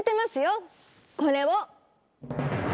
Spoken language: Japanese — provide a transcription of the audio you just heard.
これを！